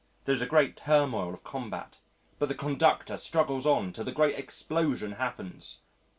There is a great turmoil of combat, but the Conductor struggles on till the great explosion happens.